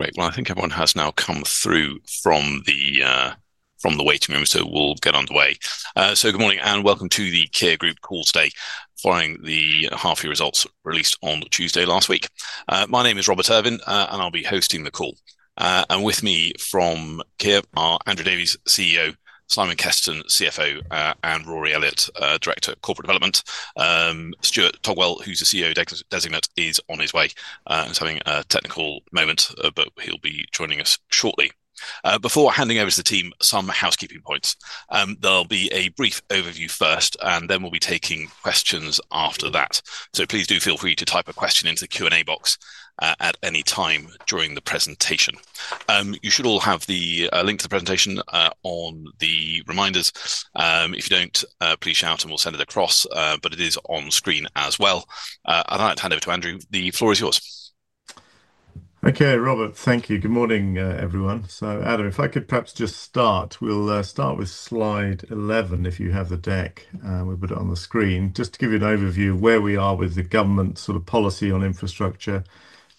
Right, I think everyone has now come through from the waiting room, so we'll get underway. Good morning and welcome to the Kier Group call today following the half-year results released on Tuesday last week. My name is Robert Irvin, and I'll be hosting the call. With me from Kier are Andrew Davies, CEO; Simon Kesterton, CFO; and Rory Elliott, Director of Corporate Development. Stuart Togwell, who's the CEO designate, is on his way and is having a technical moment, but he'll be joining us shortly. Before handing over to the team, some housekeeping points. There'll be a brief overview first, then we'll be taking questions after that. Please do feel free to type a question into the Q&A box at any time during the presentation. You should all have the link to the presentation on the reminders. If you don't, please shout and we'll send it across, but it is on screen as well. I'd like to hand over to Andrew. The floor is yours. Okay, Robert, thank you. Good morning, everyone. Adam, if I could perhaps just start, we'll start with slide 11 if you have the deck. We'll put it on the screen just to give you an overview of where we are with the government's sort of policy on infrastructure and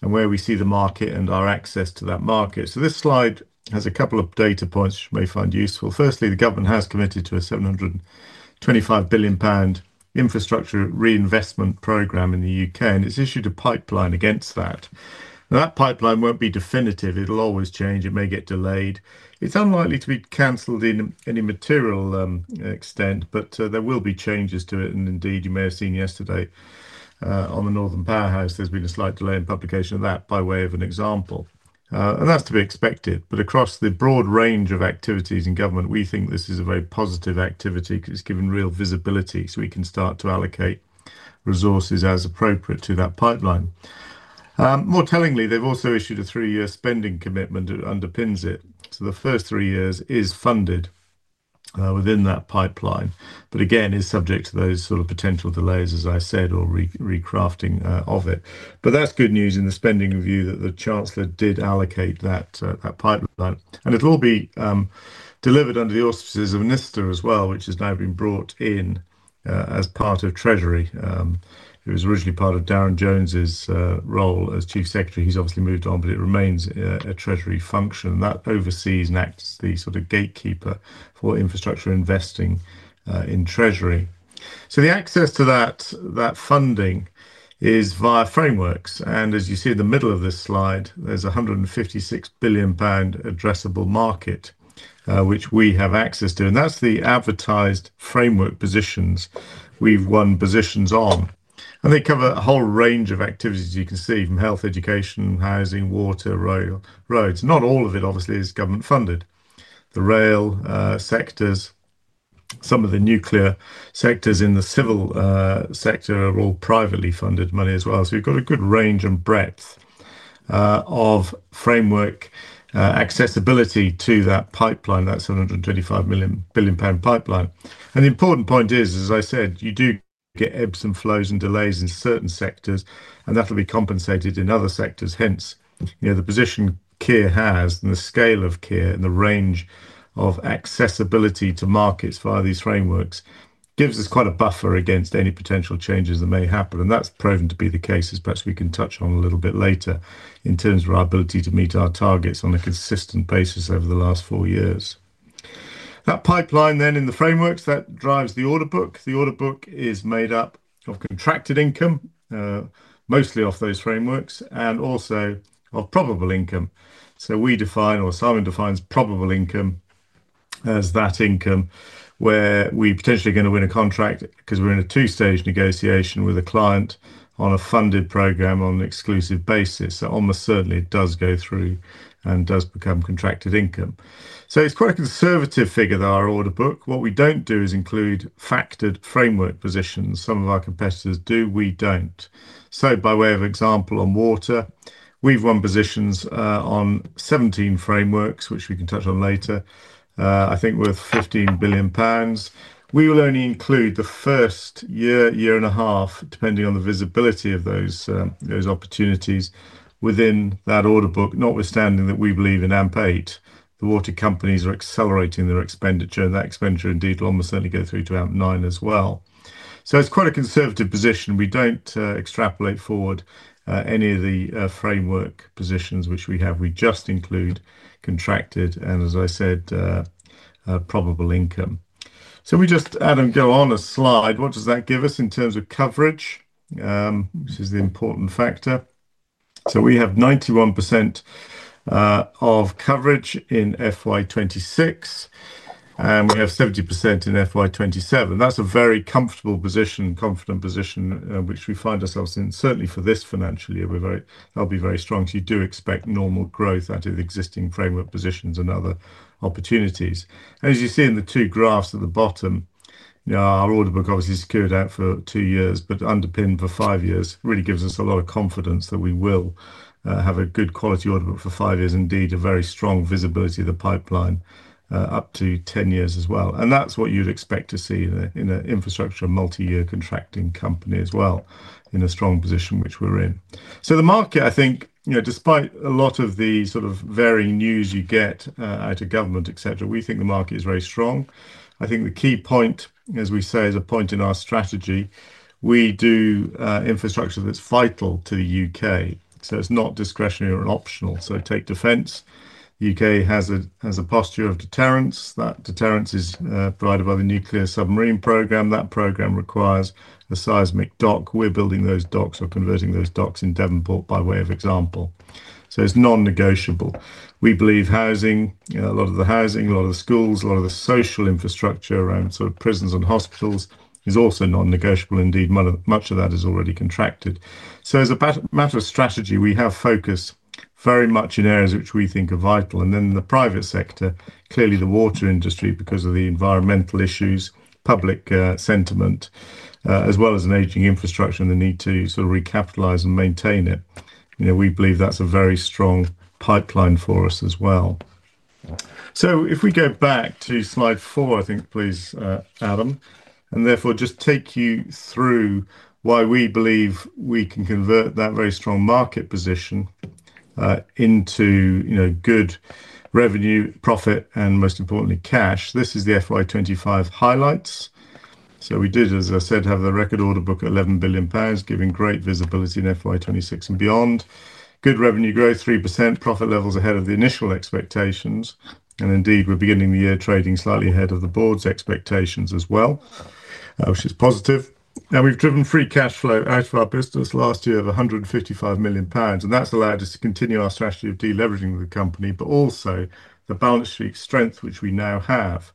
where we see the market and our access to that market. This slide has a couple of data points which we may find useful. Firstly, the government has committed to a 725 billion pound infrastructure reinvestment program in the U.K. and it's issued a pipeline against that. That pipeline won't be definitive; it'll always change. It may get delayed. It's unlikely to be canceled in any material extent, but there will be changes to it. Indeed, you may have seen yesterday on the Northern Powerhouse, there's been a slight delay in publication of that by way of an example. That's to be expected. Across the broad range of activities in government, we think this is a very positive activity because it's given real visibility so we can start to allocate resources as appropriate to that pipeline. More tellingly, they've also issued a three-year spending commitment that underpins it. The first three years is funded within that pipeline, but again, is subject to those sort of potential delays, as I said, or recrafting of it. That's good news in the spending review that the Chancellor did allocate that pipeline. It'll all be delivered under the auspices of a minister as well, which has now been brought in as part of Treasury. It was originally part of Darren Jones's role as Chief Secretary. He's obviously moved on, but it remains a Treasury function. That oversees and acts as the sort of gatekeeper for infrastructure investing in Treasury. The access to that funding is via frameworks. As you see at the middle of this slide, there's a 156 billion pound addressable market which we have access to. That's the advertised framework positions we've won positions on. They cover a whole range of activities. You can see from health, education, housing, water, roads. Not all of it, obviously, is government funded. The rail sectors, some of the nuclear sectors, and the civil sector are all privately funded money as well. You've got a good range and breadth of framework accessibility to that pipeline, that 725 billion pound pipeline. The important point is, as I said, you do get ebbs and flows and delays in certain sectors, and that'll be compensated in other sectors. Hence, the position Kier has and the scale of Kier and the range of accessibility to markets via these frameworks gives us quite a buffer against any potential changes that may happen. That has proven to be the case, as perhaps we can touch on a little bit later, in terms of our ability to meet our targets on a consistent basis over the last four years. That pipeline then in the frameworks drives the order book. The order book is made up of contracted income, mostly off those frameworks, and also of probable income. We define, or Simon defines, probable income as that income where we potentially are going to win a contract because we're in a two-stage negotiation with a client on a funded program on an exclusive basis. Almost certainly it does go through and does become contracted income. It's quite a conservative figure, though, our order book. What we don't do is include factored framework positions. Some of our competitors do, we don't. By way of example, on water, we've won positions on 17 frameworks, which we can touch on later, I think worth 15 billion pounds. We will only include the first year, year and a half, depending on the visibility of those opportunities within that order book, notwithstanding that we believe in AMP8. The water companies are accelerating their expenditure, and that expenditure indeed will almost certainly go through to AMP9 as well. It's quite a conservative position. We don't extrapolate forward any of the framework positions which we have. We just include contracted, and as I said, probable income. Adam, go on a slide. What does that give us in terms of coverage? This is the important factor. We have 91% of coverage in FY 2026, and we have 70% in FY 2027. That's a very comfortable position, confident position, which we find ourselves in certainly for this financial year. That'll be very strong. You do expect normal growth out of the existing framework positions and other opportunities. As you see in the two graphs at the bottom, our order book obviously is secured out for two years, but underpinned for five years, really gives us a lot of confidence that we will have a good quality order book for five years, indeed a very strong visibility of the pipeline up to 10 years as well. That's what you'd expect to see in an infrastructure multi-year contracting company as well in a strong position which we're in. The market, I think, despite a lot of the sort of varying news you get out of government, etc., we think the market is very strong. I think the key point, as we say, is a point in our strategy. We do infrastructure that's vital to theU.K It's not discretionary or optional. Take defense. The U.K. has a posture of deterrence. That deterrence is provided by the nuclear submarine program. That program requires a seismic dock. We're building those docks or converting those docks in Devonport by way of example. It's non-negotiable. We believe housing, a lot of the housing, a lot of the schools, a lot of the social infrastructure around sort of prisons and hospitals is also non-negotiable. Indeed, much of that is already contracted. As a matter of strategy, we have focus very much in areas which we think are vital. The private sector, clearly the water industry, because of the environmental issues, public sentiment, as well as an aging infrastructure and the need to recapitalize and maintain it. We believe that's a very strong pipeline for us as well. If we go back to slide four, please, Adam, and therefore just take you through why we believe we can convert that very strong market position into good revenue, profit, and most importantly, cash. This is the FY 2025 highlights. We did, as I said, have the record order book at 11 billion pounds, giving great visibility in FY 2026 and beyond. Good revenue growth, 3% profit levels ahead of the initial expectations. Indeed, we're beginning the year trading slightly ahead of the board's expectations as well, which is positive. We've driven free cash flow out of our business last year of 155 million pounds. That's allowed us to continue our strategy of deleveraging the company, but also the balance sheet strength which we now have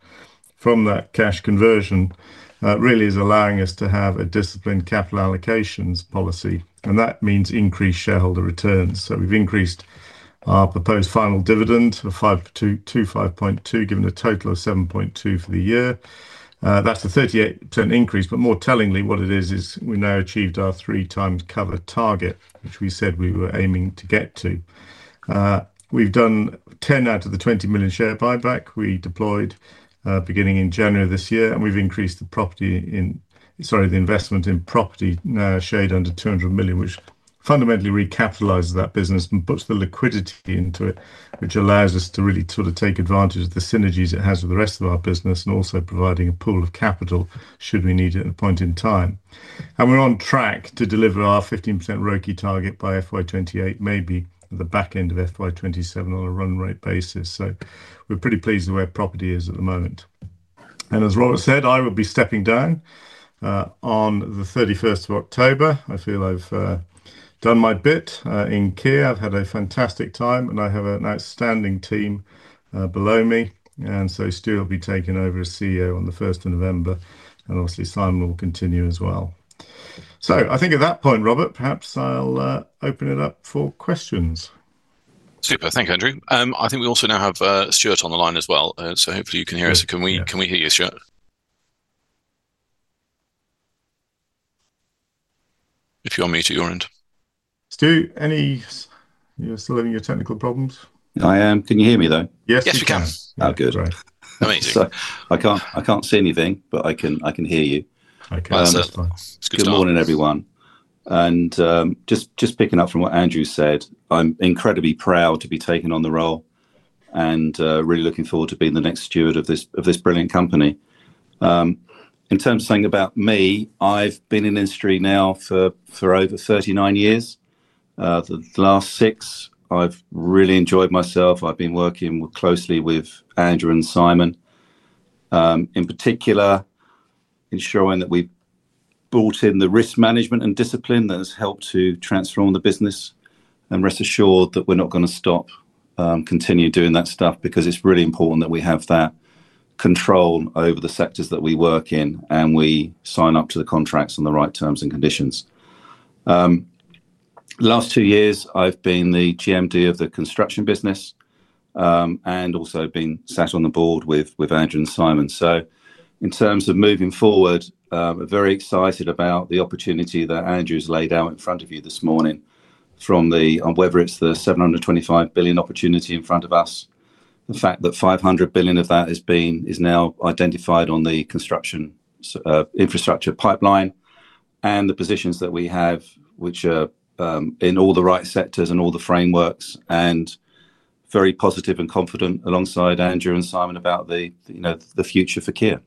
from that cash conversion really is allowing us to have a disciplined capital allocation policy. That means increased shareholder returns. We've increased our proposed final dividend to 5.2, giving a total of 7.2 for the year. That's a 38% increase, but more tellingly, what it is, is we now achieved our three-time cover target, which we said we were aiming to get to. We've done 10 out of the 20 million share buyback we deployed beginning in January this year, and we've increased the investment in property, shade under 200 million, which fundamentally recapitalizes that business and puts the liquidity into it, which allows us to really sort of take advantage of the synergies it has with the rest of our business and also providing a pool of capital should we need it at a point in time. We're on track to deliver our 15% royalty target by FY 2028, maybe the back end of FY 2027 on a run rate basis. We're pretty pleased with where property is at the moment. As Robert said, I will be stepping down on the 31st of October. I feel I've done my bit in Kier. I've had a fantastic time, and I have an outstanding team below me. Stuart will be taking over as CEO on the 1st of November, and obviously Simon will continue as well. I think at that point, Robert, perhaps I'll open it up for questions. Super, thank you, Andrew. I think we also now have Stuart on the line as well, so hopefully you can hear us. Can we hear you, Stuart? If you're on mute at your end. Stu, are you still having your technical problems? I am. Can you hear me though? Yes, we can. Oh, good. I mean, I can't see anything, but I can hear you. Okay, that's fine. Good morning, everyone. Just picking up from what Andrew said, I'm incredibly proud to be taking on the role and really looking forward to being the next steward of this brilliant company. In terms of saying about me, I've been in the industry now for over 39 years. The last six, I've really enjoyed myself. I've been working closely with Andrew and Simon, in particular, ensuring that we've brought in the risk management and discipline that has helped to transform the business. Rest assured that we're not going to stop continuing doing that stuff because it's really important that we have that control over the sectors that we work in and we sign up to the contracts and the right terms and conditions. The last two years, I've been the GMD of the construction business and also been sat on the board with Andrew and Simon. In terms of moving forward, I'm very excited about the opportunity that Andrew's laid out in front of you this morning, whether it's the 725 billion opportunity in front of us, the fact that 500 billion of that is now identified on the construction infrastructure pipeline, and the positions that we have, which are in all the right sectors and all the frameworks. I'm very positive and confident alongside Andrew and Simon about the future for Kier.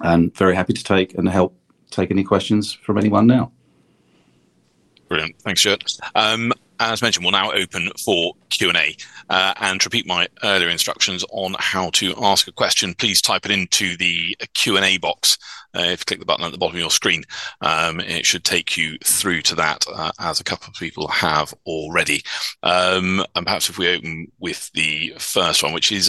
I'm very happy to take and help take any questions from anyone now. Brilliant. Thanks, Stuart. As mentioned, we'll now open for Q&A and repeat my earlier instructions on how to ask a question. Please type it into the Q&A box. If you click the button at the bottom of your screen, it should take you through to that as a couple of people have already. Perhaps if we open with the first one, which is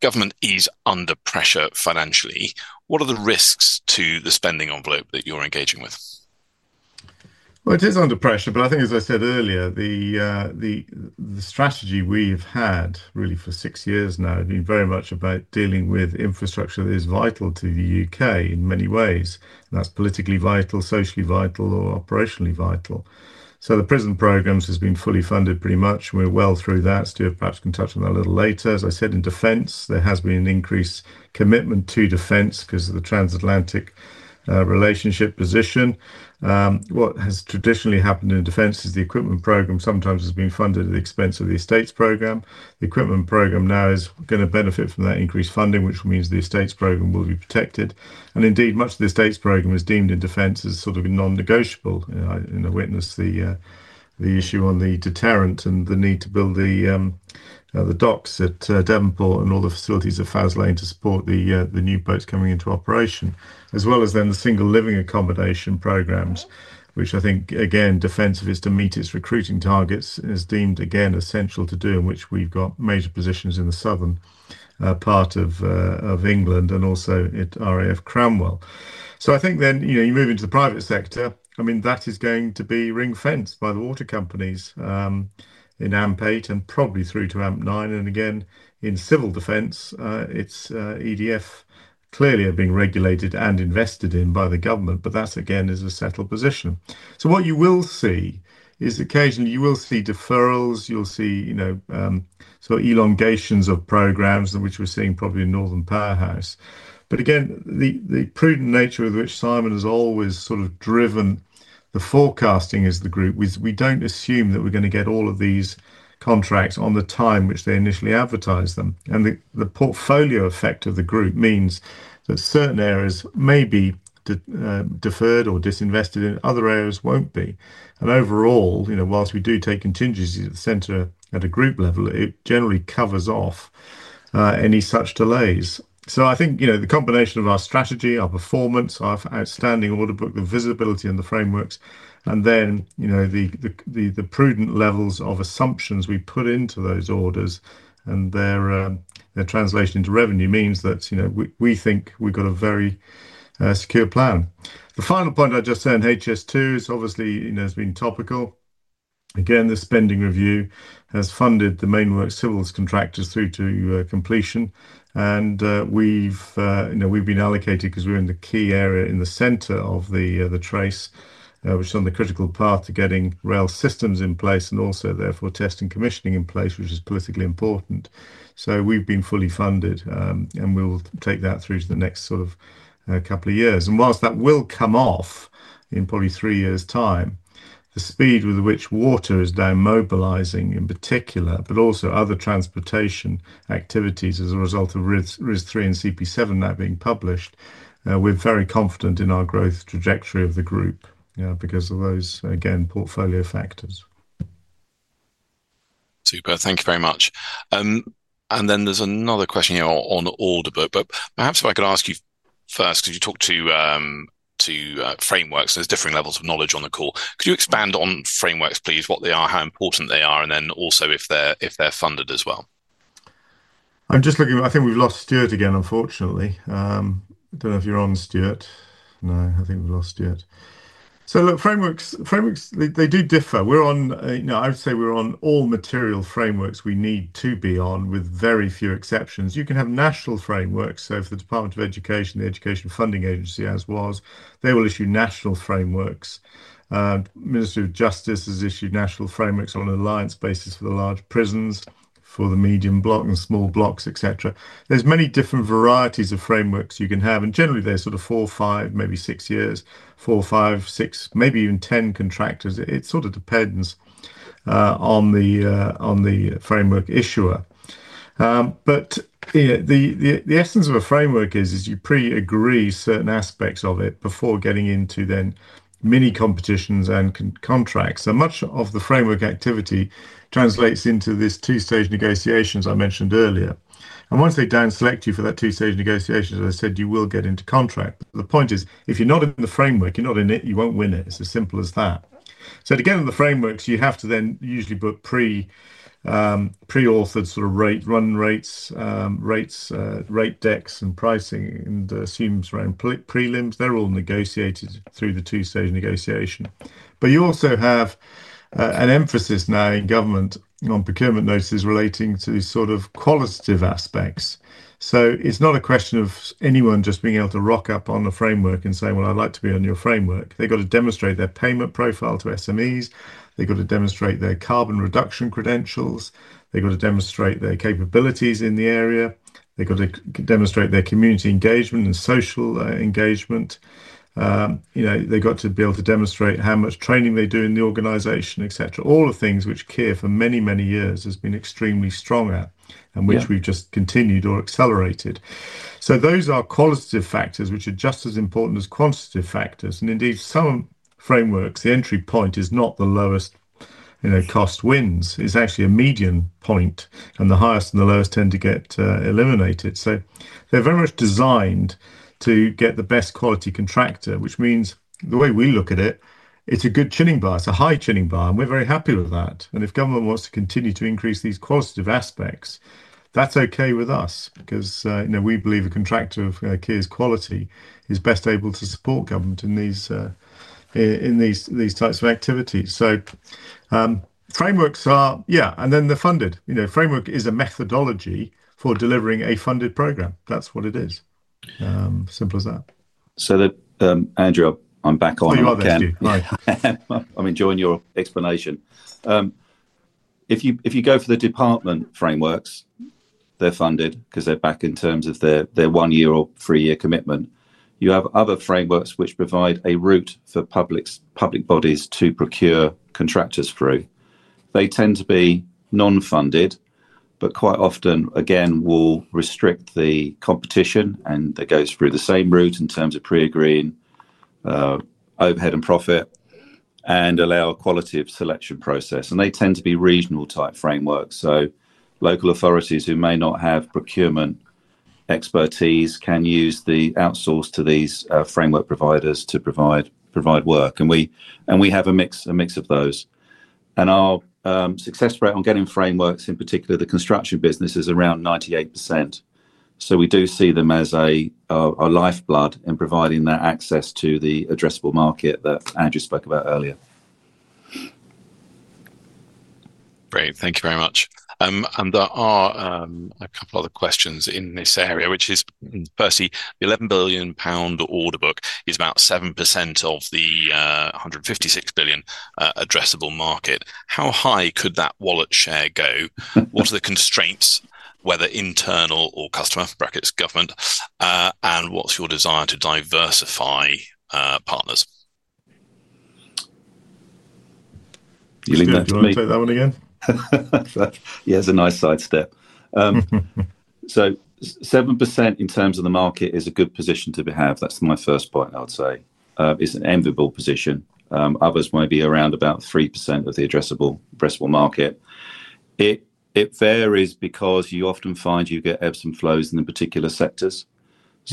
government is under pressure financially. What are the risks to the spending envelope that you're engaging with? It is under pressure, but I think, as I said earlier, the strategy we've had really for six years now has been very much about dealing with infrastructure that is vital to the UK in many ways. That's politically vital, socially vital, or operationally vital. The prison programs have been fully funded pretty much. We're well through that. Stuart perhaps can touch on that a little later. As I said, in defense, there has been an increased commitment to defense because of the transatlantic relationship position. What has traditionally happened in defense is the equipment program sometimes has been funded at the expense of the estates program. The equipment program now is going to benefit from that increased funding, which means the estates program will be protected. Indeed, much of the estates program is deemed in defense as sort of non-negotiable. I witnessed the issue on the deterrent and the need to build the docks at Devonport and all the facilities at Faslane to support the new boats coming into operation, as well as then the single living accommodation programs, which I think, again, defense is to meet its recruiting targets as deemed, again, essential to do, in which we've got major positions in the southern part of England and also at RAF Cranwell. I think then you move into the private sector. That is going to be ring-fenced by the water companies in AMP8 and probably through to AMP9. In civil defense, it's EDF clearly being regulated and invested in by the government, but that again is a settled position. Occasionally you will see deferrals, you'll see sort of elongations of programs which we're seeing probably in Northern Powerhouse. The prudent nature of which Simon has always sort of driven the forecasting is the group. We don't assume that we're going to get all of these contracts on the time which they initially advertise them. The portfolio effect of the group means that certain areas may be deferred or disinvested and other areas won't be. Overall, you know, whilst we do take contingencies at the center at a group level, it generally covers off any such delays. I think the combination of our strategy, our performance, our outstanding order book, the visibility and the frameworks, and then the prudent levels of assumptions we put into those orders and their translation into revenue means that we think we've got a very secure plan. The final point I'd just say on HS2 is obviously it's been topical. The spending review has funded the main work civils contractors through to completion. We've been allocated because we're in the key area in the center of the trace, which is on the critical path to getting rail systems in place and also therefore testing commissioning in place, which is politically important. We've been fully funded and we will take that through to the next sort of couple of years. Whilst that will come off in probably three years' time, the speed with which water is now mobilizing in particular, but also other transportation activities as a result of RIS3 and CP7 now being published, we're very confident in our growth trajectory of the group because of those portfolio factors. Super, thank you very much. There's another question here on the order book. Perhaps if I could ask you first, because you talked to frameworks, there's different levels of knowledge on the call. Could you expand on frameworks, please, what they are, how important they are, and also if they're funded as well? I'm just looking, I think we've lost Stuart again, unfortunately. I don't know if you're on, Stuart. No, I think we lost Stuart. Frameworks, they do differ. We're on, you know, I'd say we're on all material frameworks we need to be on with very few exceptions. You can have national frameworks. For the Department of Education, the Education Funding Agency, as was, they will issue national frameworks. The Ministry of Justice has issued national frameworks on an alliance basis for the large prisons, for the medium block and small blocks, etc. There are many different varieties of frameworks you can have, and generally there's sort of four, five, maybe six years, four, five, six, maybe even 10 contractors. It depends on the framework issuer. The essence of a framework is you pre-agree certain aspects of it before getting into mini competitions and contracts. Much of the framework activity translates into this two-stage negotiations I mentioned earlier. Once they down select you for that two-stage negotiation, as I said, you will get into contract. The point is, if you're not in the framework, you're not in it, you won't win it. It's as simple as that. To get into the frameworks, you have to usually book pre-authored sort of run rates, rate decks and pricing, and the assumed pre-limits. They're all negotiated through the two-stage negotiation. You also have an emphasis now in government on procurement notices relating to qualitative aspects. It's not a question of anyone just being able to rock up on the framework and saying, "Well, I'd like to be on your framework." They've got to demonstrate their payment profile to SMEs. They've got to demonstrate their carbon reduction credentials. They've got to demonstrate their capabilities in the area. They've got to demonstrate their community engagement and social engagement. They've got to be able to demonstrate how much training they do in the organization, etc. All the things which Kier for many, many years has been extremely strong at and which we've just continued or accelerated. Those are qualitative factors which are just as important as quantitative factors. Indeed, some frameworks, the entry point is not the lowest cost wins. It's actually a median point, and the highest and the lowest tend to get eliminated. They're very much designed to get the best quality contractor, which means the way we look at it, it's a good chinning bar. It's a high chinning bar, and we're very happy with that. If government wants to continue to increase these qualitative aspects, that's okay with us because we believe a contractor of Kier's quality is best able to support government in these types of activities. Frameworks are, yeah, and then they're funded. A framework is a methodology for delivering a funded program. That's what it is. Simple as that. Andrew, I'm back on. Oh, you are back on. I mean, during your explanation, if you go for the department frameworks, they're funded because they're back in terms of their one-year or three-year commitment. You have other frameworks which provide a route for public bodies to procure contractors through. They tend to be non-funded, but quite often, again, will restrict the competition, and they go through the same route in terms of pre-agreeing overhead and profit and allow a qualitative selection process. They tend to be regional type frameworks. Local authorities who may not have procurement expertise can use the outsource to these framework providers to provide work. We have a mix of those. Our success rate on getting frameworks, in particular the construction business, is around 98%. We do see them as a lifeblood in providing that access to the addressable market that Andrew spoke about earlier. Great, thank you very much. There are a couple of other questions in this area, which is firstly, the GBP 11 billion order book is about 7% of the GBP 156 billion addressable market. How high could that wallet share go? What are the constraints, whether internal or customer (government), and what's your desire to diversify partners? Can you repeat that one again? Yeah, it's a nice sidestep. 7% in terms of the market is a good position to be had. That's my first point, I would say, is an enviable position. Others might be around about 3% of the addressable market. It varies because you often find you get ebbs and flows in the particular sectors.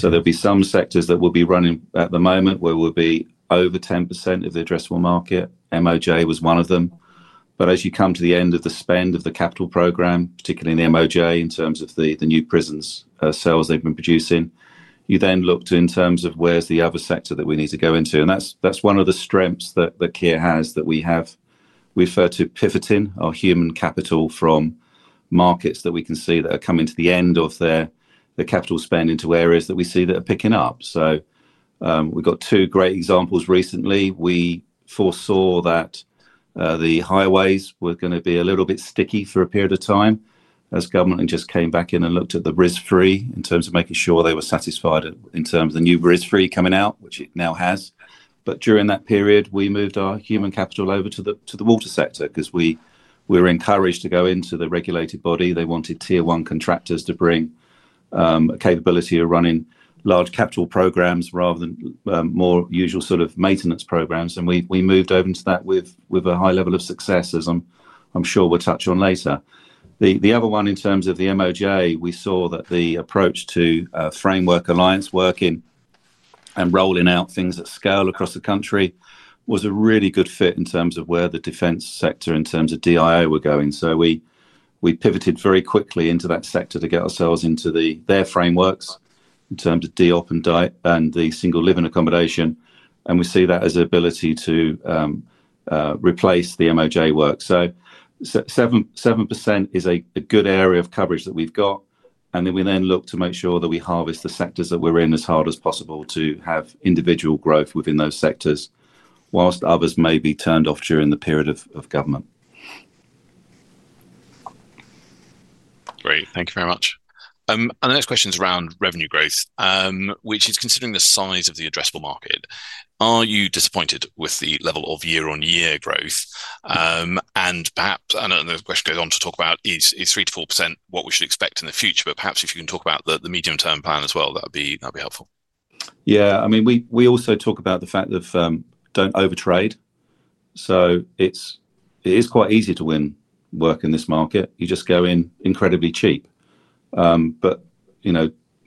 There will be some sectors that will be running at the moment where we'll be over 10% of the addressable market. MOJ was one of them. As you come to the end of the spend of the capital program, particularly in the MOJ in terms of the new prisons sales they've been producing, you then look to where's the other sector that we need to go into. That's one of the strengths that Kier has. We refer to pivoting our human capital from markets that we can see that are coming to the end of their capital spend into areas that we see that are picking up. We've got two great examples recently. We foresaw that the highways were going to be a little bit sticky for a period of time as government just came back in and looked at the RIS3 in terms of making sure they were satisfied in terms of the new RIS3 coming out, which it now has. During that period, we moved our human capital over to the water sector because we were encouraged to go into the regulated body. They wanted tier one contractors to bring a capability of running large capital programs rather than more usual sort of maintenance programs. We moved over into that with a high level of success, as I'm sure we'll touch on later. The other one in terms of the MOJ, we saw that the approach to framework alliance working and rolling out things at scale across the country was a really good fit in terms of where the defense sector in terms of DIO were going. We pivoted very quickly into that sector to get ourselves into their frameworks in terms of DOP and DITE and the single living accommodation. We see that as an ability to replace the MOJ work. 7% is a good area of coverage that we've got. We then look to make sure that we harvest the sectors that we're in as hard as possible to have individual growth within those sectors, whilst others may be turned off during the period of government. Great, thank you very much. The next question is around revenue growth, which is considering the size of the addressable market. Are you disappointed with the level of year-on-year growth? The question goes on to talk about is 3%-4% what we should expect in the future, but perhaps if you can talk about the medium-term plan as well, that would be helpful. Yeah, I mean, we also talk about the fact that don't overtrade. It is quite easy to win work in this market. You just go in incredibly cheap.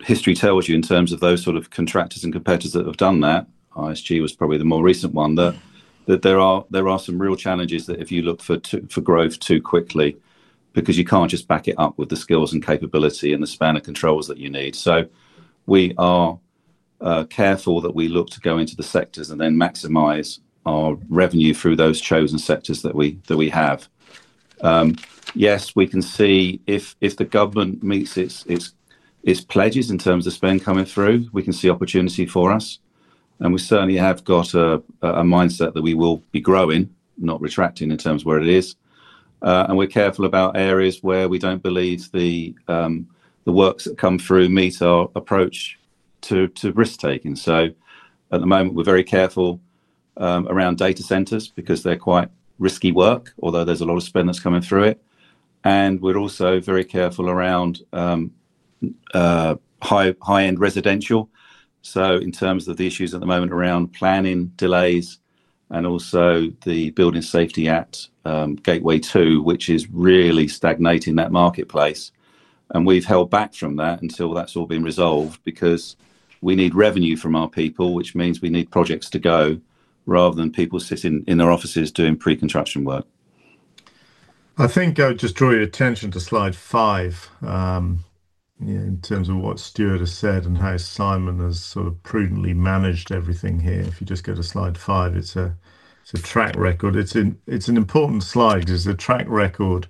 History tells you in terms of those sort of contractors and competitors that have done that, ISG was probably the more recent one, that there are some real challenges if you look for growth too quickly, because you can't just back it up with the skills and capability and the span of controls that you need. We are careful that we look to go into the sectors and then maximize our revenue through those chosen sectors that we have. Yes, we can see if the government meets its pledges in terms of spend coming through, we can see opportunity for us. We certainly have got a mindset that we will be growing, not retracting in terms of where it is. We're careful about areas where we don't believe the works that come through meet our approach to risk taking. At the moment, we're very careful around data centers because they're quite risky work, although there's a lot of spend that's coming through it. We're also very careful around high-end residential. In terms of the issues at the moment around planning delays and also the Building Safety Act, Gateway 2, which is really stagnating that marketplace. We've held back from that until that's all been resolved because we need revenue from our people, which means we need projects to go rather than people sitting in their offices doing pre-contraction work. I think I'd just draw your attention to slide five in terms of what Stuart has said and how Simon has sort of prudently managed everything here. If you just go to slide five, it's a track record. It's an important slide. It's a track record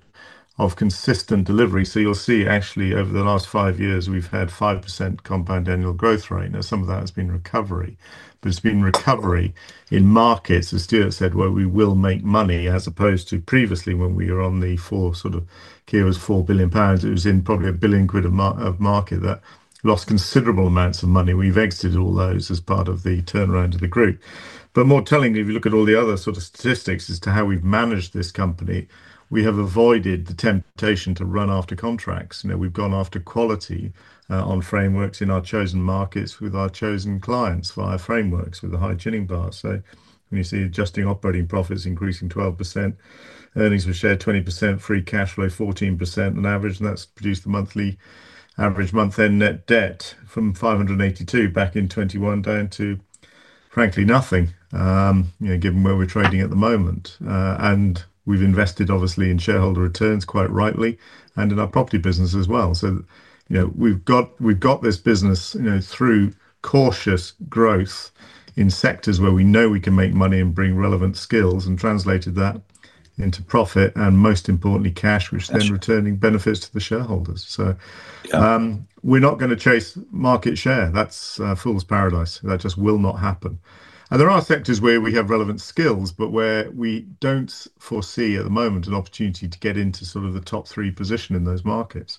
of consistent delivery. You'll see actually over the last five years, we've had 5% compound annual growth rate. Now, some of that has been recovery, but it's been recovery in markets as Stuart said, where we will make money as opposed to previously when we were on the four sort of Kier was 4 billion pounds. It was in probably a billion quid of market that lost considerable amounts of money. We've exited all those as part of the turnaround of the group. More tellingly, if you look at all the other sort of statistics as to how we've managed this company, we have avoided the temptation to run after contracts. We've gone after quality on frameworks in our chosen markets with our chosen clients via frameworks with a high chinning bar. You see adjusting operating profits increasing 12%, earnings per share 20%, free cash flow 14% on average, and that's produced the monthly average month end net debt from 582 million back in 2021 down to frankly nothing, given where we're trading at the moment. We've invested obviously in shareholder returns quite rightly and in our property business as well. We've got this business through cautious growth in sectors where we know we can make money and bring relevant skills and translated that into profit and most importantly cash, which then returning benefits to the shareholders. We're not going to chase market share. That's a fool's paradise. That just will not happen. There are sectors where we have relevant skills, but where we don't foresee at the moment an opportunity to get into the top three position in those markets.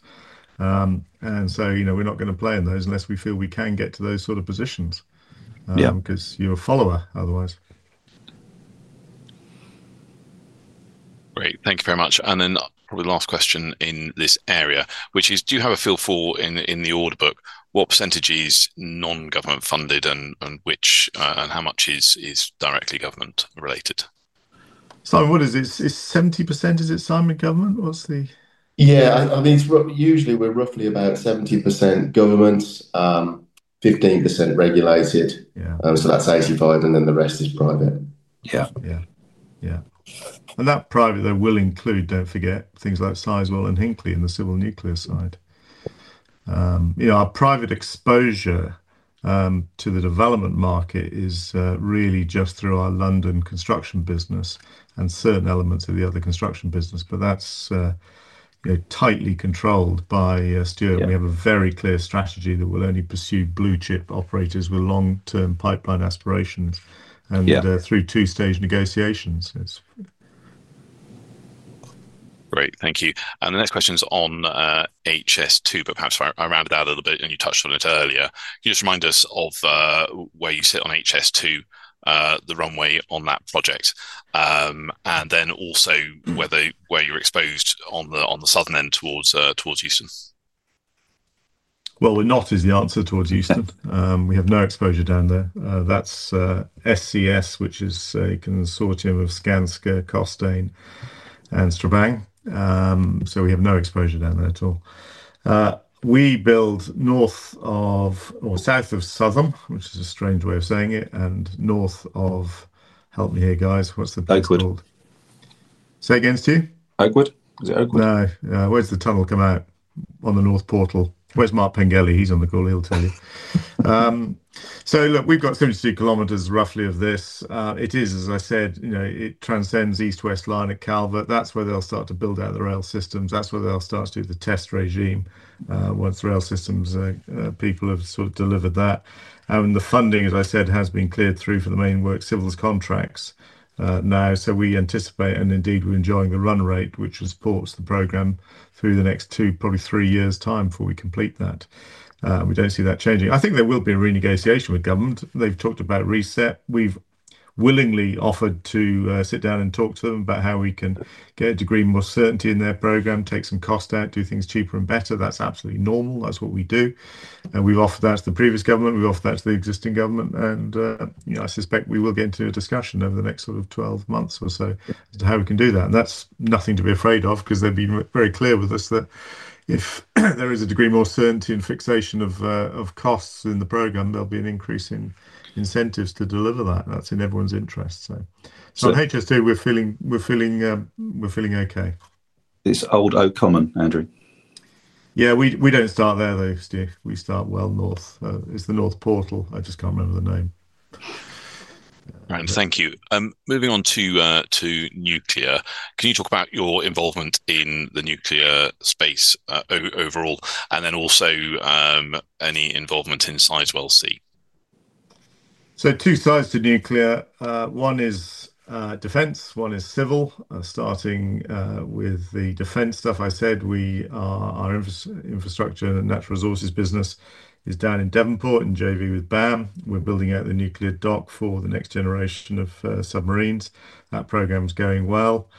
We're not going to play in those unless we feel we can get to those sort of positions because you're a follower otherwise. Great, thank you very much. Probably the last question in this area, which is, do you have a feel for in the order book what percentage is non-government funded and how much is directly government related? Is it 70%? Is it, Simon, government? What's the... Yeah, I mean, usually we're roughly about 70% government, 15% regulated. That's 85%, and then the rest is private. Yeah, yeah. That private though will include, don't forget, things like Sizewell and Hinckley in the civil nuclear side. Our private exposure to the development market is really just through our London construction business and certain elements of the other construction business, but that's tightly controlled by Stuart. We have a very clear strategy that will only pursue blue chip operators with long-term pipeline aspiration and through two-stage negotiations. Great, thank you. The next question's on HS2. Perhaps I rambled out a little bit and you touched on it earlier. Can you just remind us of where you sit on HS2, the runway on that project, and also where you're exposed on the southern end towards Euston? We're not, is the answer towards Houston. We have no exposure down there. That's SCS, which is a consortium of Skanska, Costain, and Strabag. We have no exposure down there at all. We build north of or south of Southam, which is a strange way of saying it, and north of, help me here guys, what's the tunnel called? Say again, Stu? Oakwood? Is it Oakwood? No, where's the tunnel come out on the north portal? Where's Mark Pengelli? He's on the call, he'll tell you. Look, we've got 32 kilometers roughly of this. It is, as I said, you know, it transcends East West Line at Calvert. That's where they'll start to build out the rail systems. That's where they'll start to do the test regime once rail systems and people have sort of delivered that. The funding, as I said, has been cleared through for the main work civils contracts now. We anticipate, and indeed we're enjoying the run rate, which will support the program through the next two, probably three years' time before we complete that. We don't see that changing. I think there will be a renegotiation with government. They've talked about reset. We've willingly offered to sit down and talk to them about how we can get a degree of more certainty in their program, take some cost out, do things cheaper and better. That's absolutely normal. That's what we do. We've offered that to the previous government. We've offered that to the existing government. I suspect we will get into a discussion over the next sort of 12 months or so as to how we can do that. That's nothing to be afraid of because they've been very clear with us that if there is a degree of more certainty and fixation of costs in the program, there'll be an increase in incentives to deliver that. That's in everyone's interest. At HS2, we're feeling okay. It's Old Oak Common, Andrew. We don't start there though, Stu. We start well north. It's the north portal. I just can't remember the name. Right, thank you. Moving on to nuclear, can you talk about your involvement in the nuclear space overall, and then also any involvement inside LC? Two sides to nuclear. One is defense, one is civil. Starting with the defense stuff I said, our infrastructure and natural resources business is down in Devonport in JV with BAM. We're building out the nuclear dock for the next generation of submarines. That program's going well.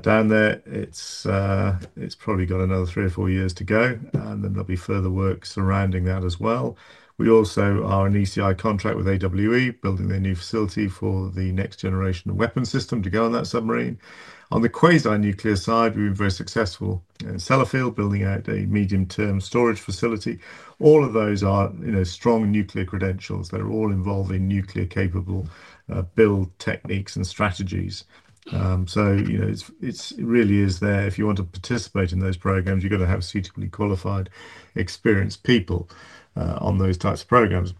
Down there, it's probably got another three or four years to go, and there'll be further work surrounding that as well. We also are an ECI contract with AWE, building their new facility for the next generation of weapon system to go on that submarine. On the Quasiline nuclear side, we've been very successful in Sellafield, building out a medium-term storage facility. All of those are strong nuclear credentials. They're all involving nuclear-capable build techniques and strategies. It really is there. If you want to participate in those programs, you've got to have suitably qualified, experienced people on those types of programs.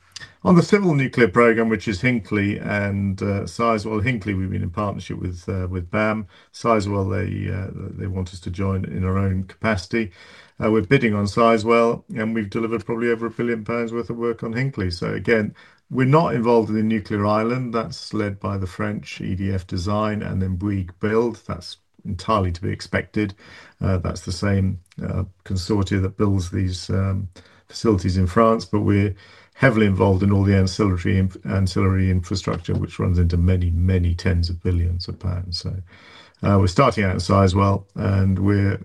On the civil nuclear program, which is Hinckley and Sizewell, Hinckley, we've been in partnership with BAM. Sizewell, they want us to join in our own capacity. We're bidding on Sizewell, and we've delivered probably over 1 billion pounds worth of work on Hinckley. We're not involved in the nuclear island. That's led by the French EDF Design and then Bouygues Build. That's entirely to be expected. That's the same consortium that builds these facilities in France, but we're heavily involved in all the ancillary infrastructure, which runs into many, many tens of billions of pounds. We're starting out in Sizewell, and we're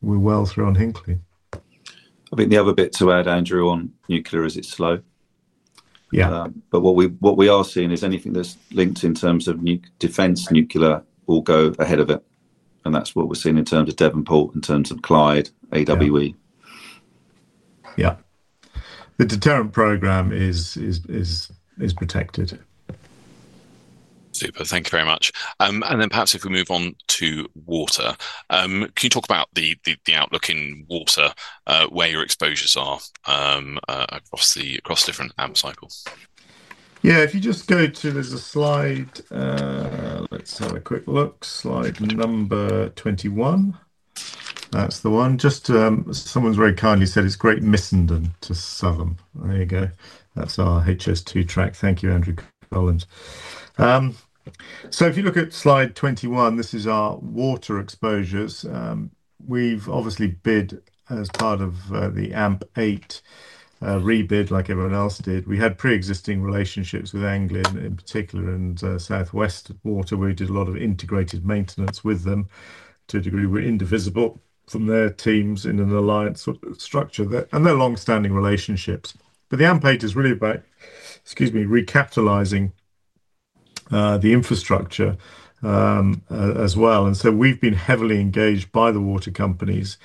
well through on Hinckley. I think the other bit to add, Andrew, on nuclear is it's slow. What we are seeing is anything that's linked in terms of defense nuclear will go ahead of it. That's what we're seeing in terms of Devonport, in terms of Clyde, AWE. Yeah, the deterrent program is protected. Super, thank you very much. Perhaps if we move on to water, can you talk about the outlook in water, where your exposures are across different AMP cycles? Yeah, if you just go to, there's a slide, let's have a quick look, slide number 21. That's the one. Just to, someone's very kindly said it's Great Missenden to Southam. There you go. That's our HS2 track. Thank you, Andrew Bowens. If you look at slide 21, this is our water exposures. We've obviously bid as part of the AMP8 rebid like everyone else did. We had pre-existing relationships with Anglian in particular and South West Water. We did a lot of integrated maintenance with them. To a degree, we're indivisible from their teams in an alliance structure and their longstanding relationships. The AMP8 is really about, excuse me, recapitalizing the infrastructure as well. We've been heavily engaged by the water companies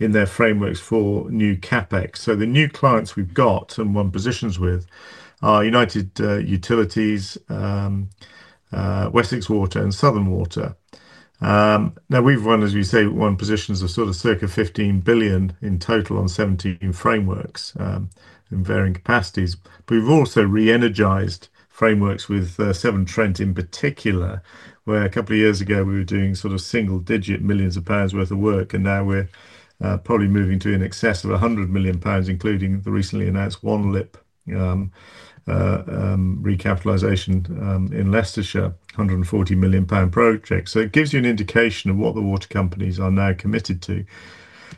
in their frameworks for new CapEx. The new clients we've got and won positions with are United Utilities, Wessex Water, and Southern Water. Now we've won positions of sort of circa 15 billion in total on 17 frameworks in varying capacities. We've also re-energized frameworks with Severn Trent in particular, where a couple of years ago we were doing sort of single-digit millions of pounds' worth of work. Now we're probably moving to in excess of 100 million pounds, including the recently announced One Lip recapitalization in Leicestershire, 140 million pound project. It gives you an indication of what the water companies are now committed to.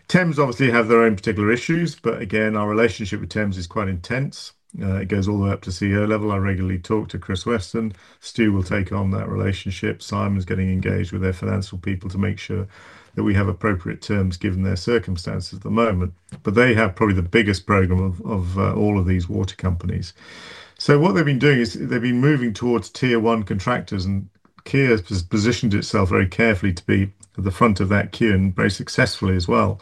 Thames obviously have their own particular issues, but again, our relationship with Thames is quite intense. It goes all the way up to CEO level. I regularly talk to Chris Weston. Stu will take on that relationship. Simon's getting engaged with their financial people to make sure that we have appropriate terms given their circumstances at the moment. They have probably the biggest program of all of these water companies. What they've been doing is they've been moving towards tier one contractors, and Kier has positioned itself very carefully to be at the front of that queue and very successfully as well.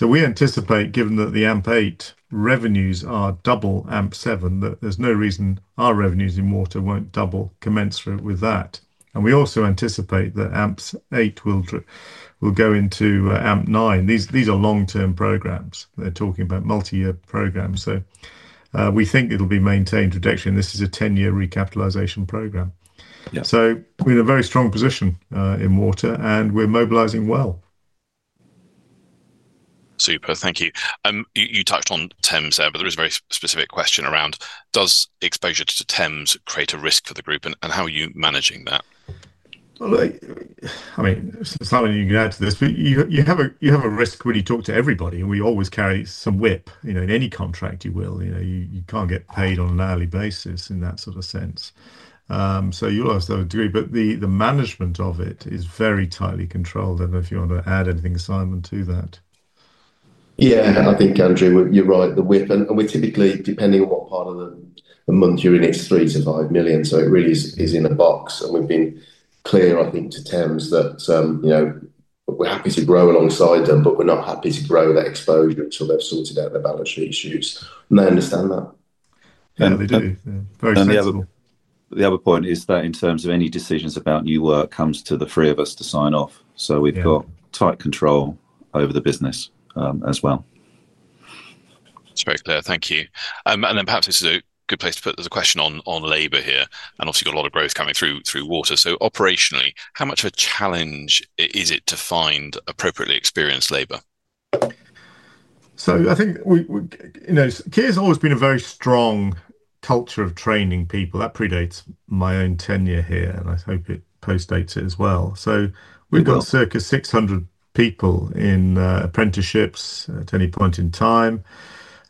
We anticipate, given that the AMP8 revenues are double AMP7, that there's no reason our revenues in water won't double commensurate with that. We also anticipate that AMP8 will go into AMP9. These are long-term programs. They're talking about multi-year programs. We think it'll be maintained to production. This is a 10-year recapitalization program. We're in a very strong position in water, and we're mobilizing well. Super, thank you. You touched on Thames Water there, but there is a very specific question around, does exposure to Thames Water create a risk for the group, and how are you managing that? I mean, it's not that you can add to this, but you have a risk when you talk to everybody, and we always carry some WIP. You know, in any contract you will, you can't get paid on an hourly basis in that sort of sense. You'll have to agree, but the management of it is very tightly controlled. I don't know if you want to add anything, Simon, to that. Yeah, I think, Andrew, you're right, the whip, and we're typically, depending on what part of the month you're in, it's 3 million to 5 million. It really is in a box. We've been clear, I think, to Thames that, you know, we're happy to grow alongside them, but we're not happy to grow their exposure until they've sorted out their balance sheet issues. I understand that. We do. The other point is that in terms of any decisions about new work, it comes to the three of us to sign off. We have tight control over the business as well. That's very clear. Thank you. Perhaps this is a good place to put the question on labor here. Obviously, you've got a lot of growth coming through water. Operationally, how much of a challenge is it to find appropriately experienced labor? I think, you know, Kier's always been a very strong culture of training people. That predates my own tenure here, and I hope it postdates it as well. We've got circa 600 people in apprenticeships at any point in time.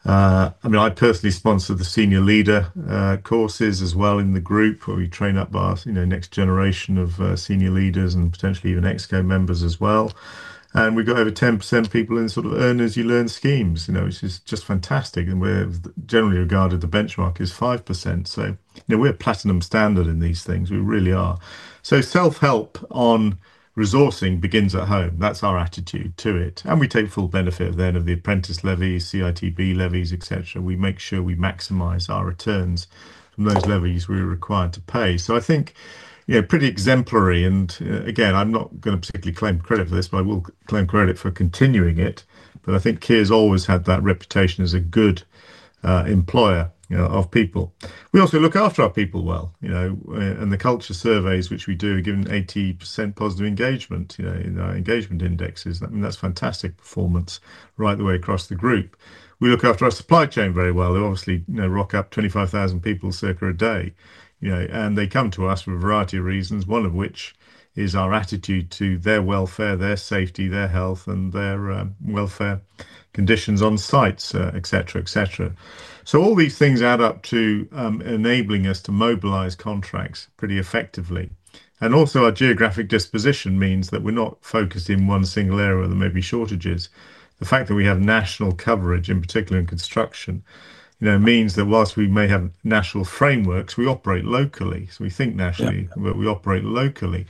I personally sponsor the Senior Leader courses as well in the group where we train up our next generation of senior leaders and potentially even ExCo members as well. We've got over 10% people in sort of earn as you learn schemes, which is just fantastic. We've generally regarded the benchmark as 5%, so we're platinum standard in these things. We really are. Self-help on resourcing begins at home. That's our attitude to it. We take full benefit then of the apprentice levies, CITB levies, etc. We make sure we maximize our returns and those levies we're required to pay. I think, you know, pretty exemplary. I'm not going to particularly claim credit for this, but I will claim credit for continuing it. I think Kier's always had that reputation as a good employer of people. We also look after our people well, and the culture surveys which we do, given 80% positive engagement in our engagement indexes, that's fantastic performance right away across the group. We look after our supply chain very well. They obviously, you know, rock up 25,000 people circa a day, and they come to us for a variety of reasons, one of which is our attitude to their welfare, their safety, their health, and their welfare conditions on sites, etc. All these things add up to enabling us to mobilize contracts pretty effectively. Also, our geographic disposition means that we're not focused in one single area where there may be shortages. The fact that we have national coverage, in particular in construction, means that whilst we may have national frameworks, we operate locally. We think nationally, but we operate locally.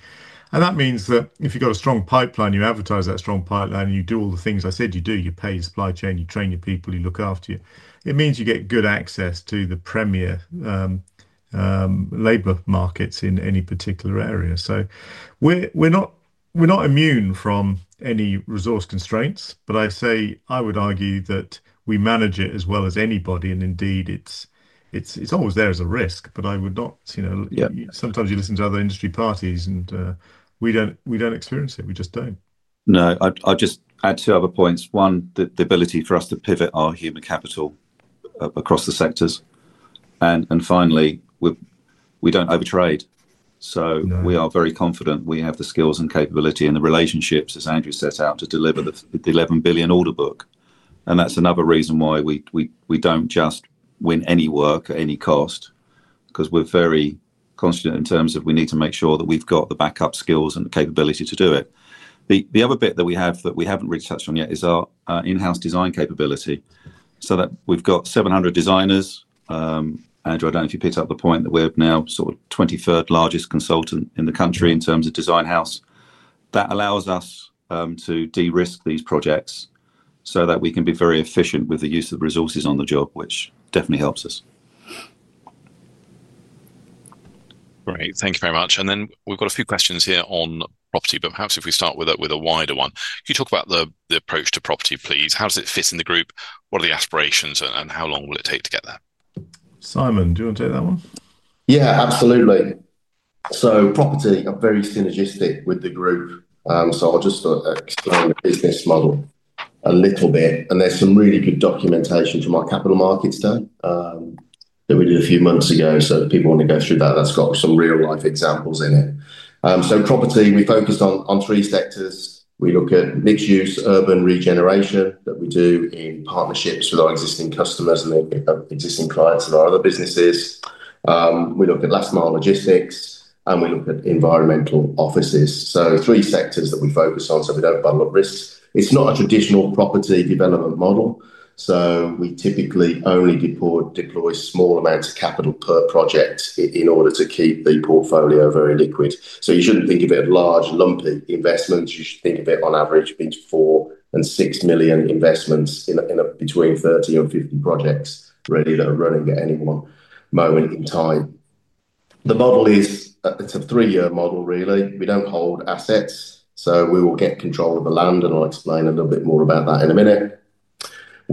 That means that if you've got a strong pipeline, you advertise that strong pipeline, and you do all the things I said you do. You pay supply chain, you train your people, you look after you. It means you get good access to the premier labor markets in any particular area. We're not immune from any resource constraints, but I'd say I would argue that we manage it as well as anybody. Indeed, it's always there as a risk, but I would not, you know, sometimes you listen to other industry parties and we don't experience it. We just don't. No, I'll just add two other points. One, the ability for us to pivot our human capital across the sectors. Finally, we don't overtrade. We are very confident we have the skills and capability and the relationships, as Andrew set out, to deliver the 11 billion order book. That's another reason why we don't just win any work at any cost, because we're very confident in terms of we need to make sure that we've got the backup skills and the capability to do it. The other bit that we have that we haven't really touched on yet is our in-house design capability. We've got 700 designers. Andrew, I don't know if you picked up the point that we're now sort of the 23rd largest consultant in the country in terms of design house. That allows us to de-risk these projects so that we can be very efficient with the use of the resources on the job, which definitely helps us. Great, thank you very much. We've got a few questions here on property, but perhaps if we start with a wider one. Can you talk about the approach to property, please? How does it fit in the group? What are the aspirations and how long will it take to get there? Simon, do you want to take that one? Yeah, absolutely. Property are very synergistic with the group. I'll just explain the business model a little bit. There's some really good documentation from our capital markets study that we did a few months ago. If people want to go through that, that's got some real-life examples in it. Property, we focused on three sectors. We look at mixed-use urban regeneration that we do in partnerships with our existing customers and their existing clients and our other businesses. We look at last mile logistics and we look at environmental offices. Three sectors that we focus on so we don't bundle up. It's not a traditional property development model. We typically only deploy small amounts of capital per project in order to keep the portfolio very liquid. You shouldn't think of it as large lumpy investments. You should think of it on average between 4 million and 6 million investments in between 30 and 50 projects that are running at any one moment in time. The model is a three-year model, really. We don't hold assets. We will get control of the land, and I'll explain a little bit more about that in a minute.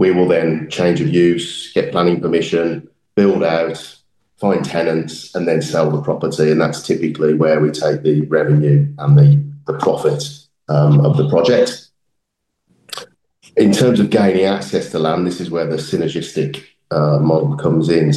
We will then change of use, get planning permission, build out, find tenants, and then sell the property. That's typically where we take the revenue and the profit of the project. In terms of gaining access to land, this is where the synergistic model comes in.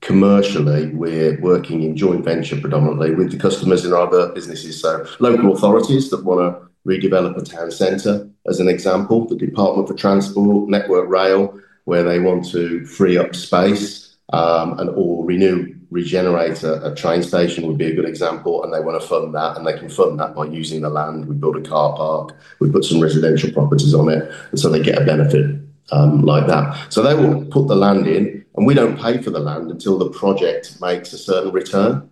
Commercially, we're working in joint venture predominantly with the customers in our businesses. Local authorities that want to redevelop a town center, as an example, the Department for Transport, Network Rail, where they want to free up space and/or renew, regenerate a train station would be a good example. They want to fund that, and they can fund that by using the land. We build a car park. We put some residential properties on it. They get a benefit like that. They will put the land in, and we don't pay for the land until the project makes a certain return.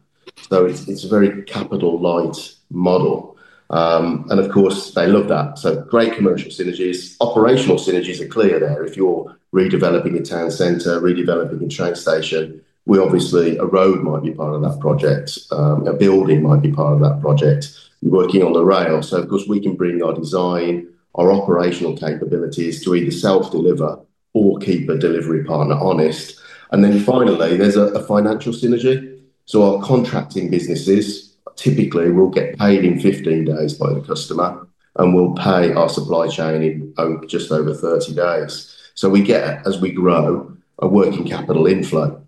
It's a very capital-light model. Of course, they love that. Great commercial synergies. Operational synergies are clear there. If you're redeveloping a town center, redeveloping a train station, obviously, a road might be part of that project. A building might be part of that project. Working on the rail. We can bring our design, our operational capabilities to either self-deliver or keep a delivery partner honest. Finally, there's a financial synergy. Our contracting businesses typically will get paid in 15 days by the customer and will pay our supply chain in just over 30 days. We get, as we grow, a working capital inflow.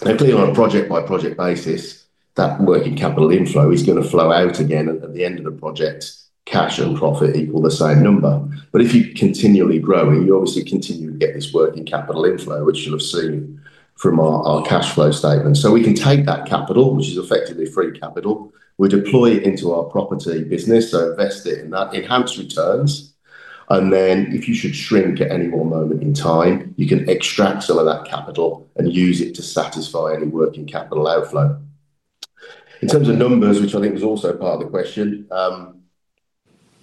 Clearly, on a project-by-project basis, that working capital inflow is going to flow out again at the end of the project. Cash and profit equal the same number. If you're continually growing, you obviously continue to get this working capital inflow, which you'll have seen from our cash flow statement. We can take that capital, which is effectively free capital, and deploy it into our property business, so invest it in that. It hampers returns. If you should shrink at any one moment in time, you can extract some of that capital and use it to satisfy any working capital outflow. In terms of numbers, which I think was also part of the question,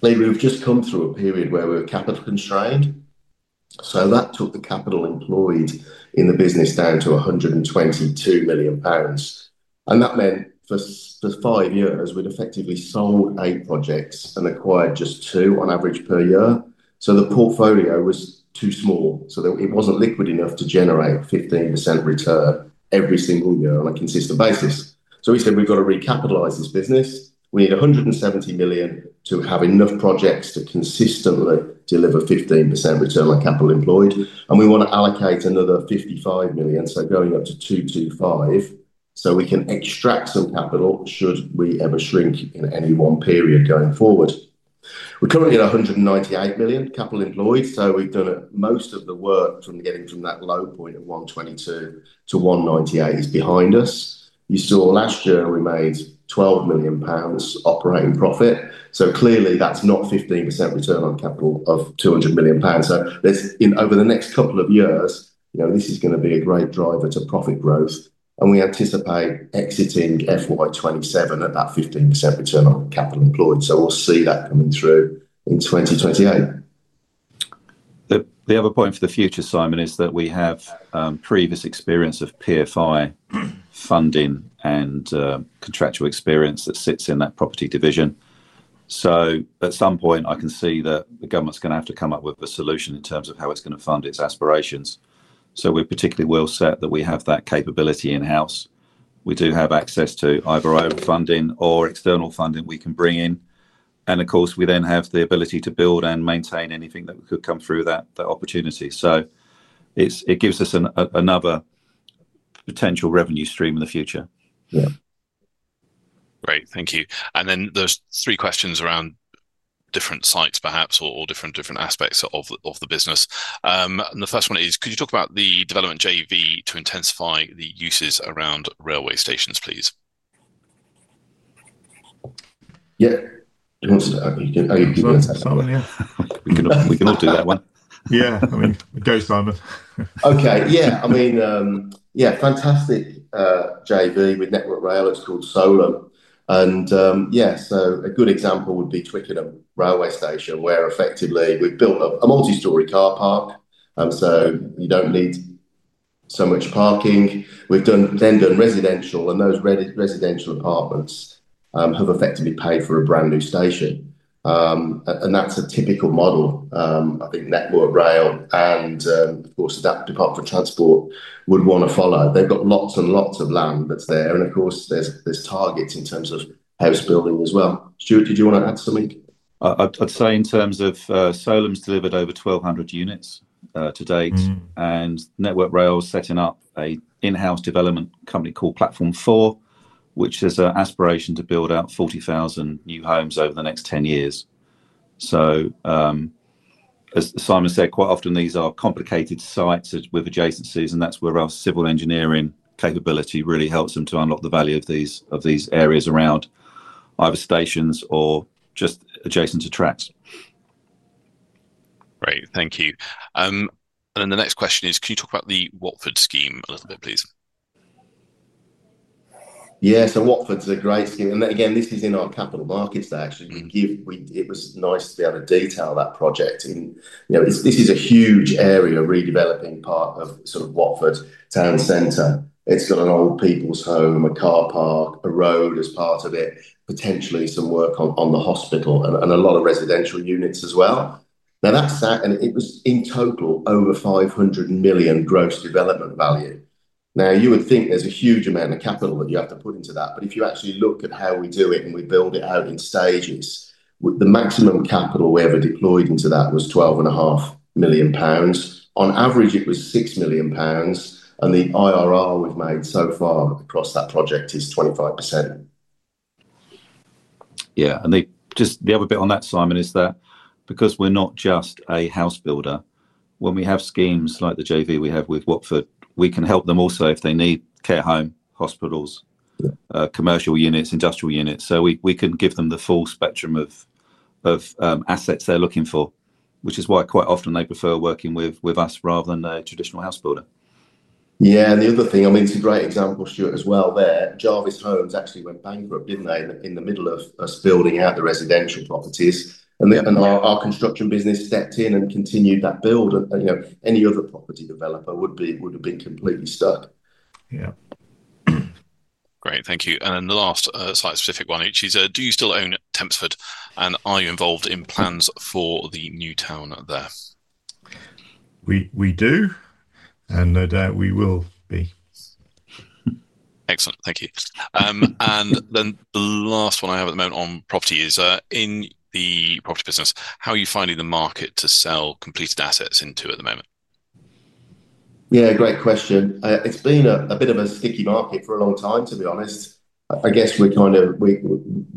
we've just come through a period where we're capital constrained. That took the capital employed in the business down to 122 million pounds. That meant for five years, we'd effectively sold eight projects and acquired just two on average per year. The portfolio was too small, so it wasn't liquid enough to generate 15% return every single year on a consistent basis. We said we've got to recapitalize this business. We need 170 million to have enough projects to consistently deliver 15% return on capital employed. We want to allocate another 55 million, so going up to 225 million, so we can extract some capital should we ever shrink in any one period going forward. We're currently at 198 million capital employed. Most of the work from getting from that low point of 122 million-198 million is behind us. You saw last year we made 12 million pounds operating profit. Clearly, that's not a 15% return on capital of 200 million pounds. Over the next couple of years, this is going to be a great driver to profit growth. We anticipate exiting FY 2027 at that 15% return on capital employed. We'll see that coming through in 2028. The other point for the future, Simon, is that we have previous experience of PFI funding and contractual experience that sits in that property division. At some point, I can see that the government's going to have to come up with a solution in terms of how it's going to fund its aspirations. We're particularly well set that we have that capability in-house. We do have access to either our own funding or external funding we can bring in. We then have the ability to build and maintain anything that could come through that opportunity. It gives us another potential revenue stream in the future. Great, thank you. There are three questions around different sites, perhaps, or different aspects of the business. The first one is, could you talk about the development JV to intensify the uses around railway stations, please? Yeah. You want to? I can give you a chance. We can all do that one. Yeah, I mean, here goes, Simon. Okay, yeah, I mean, yeah, fantastic JV with Network Rail. It's called Solum. Yeah, a good example would be Twickenham Railway Station, where effectively we've built a multi-story car park. You don't need so much parking. We've then done residential, and those residential apartments have effectively paid for a brand new station. That's a typical model. I think Network Rail and, of course, the Department for Transport would want to follow. They've got lots and lots of land that's there. Of course, there's targets in terms of house building as well. Stuart, did you want to add something? I'd say in terms of Solum's delivered over 1,200 units to date, and Network Rail is setting up an in-house development company called Platform 4, which has an aspiration to build out 40,000 new homes over the next 10 years. As Simon said, quite often these are complicated sites with adjacencies, and that's where our civil engineering capability really helps them to unlock the value of these areas around either stations or just adjacent to tracks. Great, thank you. The next question is, can you talk about the Watford scheme a little bit, please? Yeah, Watford's a great scheme. This is in our capital markets that actually give, it was nice to be able to detail that project. This is a huge area redeveloping part of Watford Town Centre. It's got an old people's home, a car park, a road as part of it, potentially some work on the hospital, and a lot of residential units as well. That sat, and it was in total over 500 million gross development value. You would think there's a huge amount of capital that you have to put into that, but if you actually look at how we do it and we build it out in stages, the maximum capital we ever deployed into that was 12.5 million pounds. On average, it was 6 million pounds, and the IRR we've made so far across that project is 25%. Just the other bit on that, Simon, is that because we're not just a house builder, when we have schemes like the JV we have with Watford, we can help them also if they need care home, hospitals, commercial units, industrial units. We can give them the full spectrum of assets they're looking for, which is why quite often they prefer working with us rather than a traditional house builder. The other thing, I mean, it's a great example, Stuart, as well there. Jarvis Homes actually went bankrupt, didn't they, in the middle of us building out the residential properties. Our construction business stepped in and continued that build. Any other property developer would have been completely stuck. Great, thank you. The last slight specific one, which is, do you still own Tempsford, and are you involved in plans for the new town there? We do, and I doubt we will be. Excellent, thank you. The last one I have at the moment on property is in the property business, how are you finding the market to sell completed assets into at the moment? Yeah, great question. It's been a bit of a sticky market for a long time, to be honest. I guess we're kind of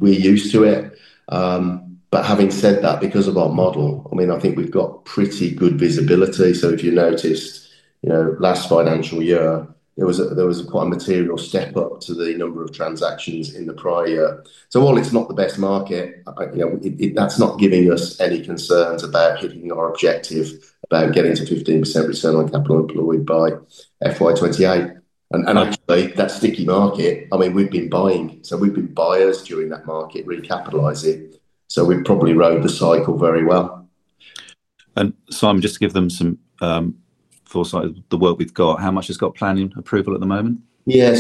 used to it. Having said that, because of our model, I think we've got pretty good visibility. If you noticed, last financial year, there was quite a material step up to the number of transactions in the prior year. While it's not the best market, that's not giving us any concerns about hitting our objective about getting to 15% return on capital employed by FY 2028. I'd say that sticky market, we've been buying, so we've been buyers during that market, recapitalizing it. We've probably rode the cycle very well. Simon, just to give them some foresight of the work we've got, how much has got planning approval at the moment? Yeah,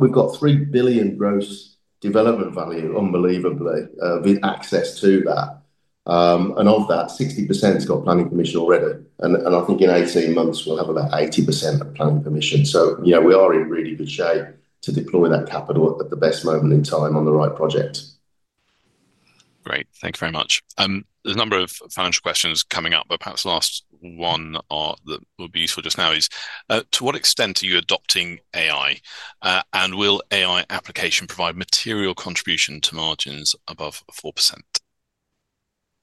we've got 3 billion gross development value, unbelievably, with access to that. Of that, 60% has got planning permission already. I think in 18 months, we'll have about 80% planning permission. We are in really good shape to deploy that capital at the best moment in time on the right project. Great, thank you very much. There's a number of financial questions coming up, but perhaps the last one that would be useful just now is, to what extent are you adopting AI? Will AI application provide material contribution to margins above 4%?